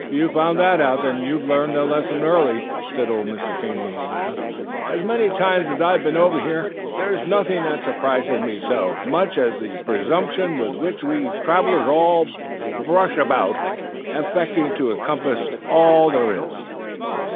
"If you've found that out, you've learned the lesson early," said old Mr. King, with a laugh. "As many times as I've been over here, there's nothing that surprises me so much as the presumption with which we travellers all rush about, expecting to compass all there is."